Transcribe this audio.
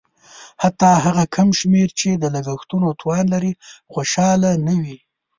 حتی هغه کم شمېر چې د لګښتونو توان لري خوشاله نه وي.